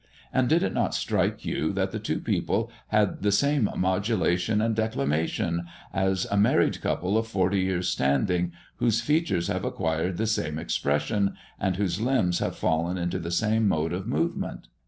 And did it not strike you, that the two people had the same modulation and declamation, as a married couple of forty years' standing, whose features have acquired the same expression, and whose limbs have fallen into the same mode of movement?